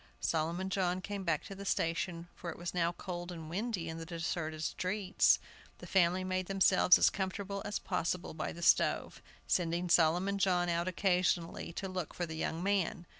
Solomon John came back to the station, for it was now cold and windy in the deserted streets. The family made themselves as comfortable as possible by the stove, sending Solomon John out occasionally to look for the young man.